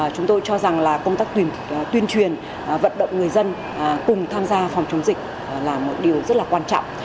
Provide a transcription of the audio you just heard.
chúng tôi cho rằng là công tác tuyên truyền vận động người dân cùng tham gia phòng chống dịch là một điều rất là quan trọng